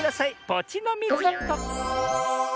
ポチのミズっと。